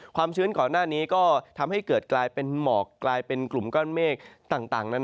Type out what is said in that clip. ชื้นก่อนหน้านี้ก็ทำให้เกิดกลายเป็นหมอกกลายเป็นกลุ่มก้อนเมฆต่างนั้น